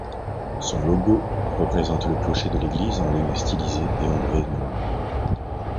Son logo représente le clocher de l'église en lignes stylisées et ombrées noires.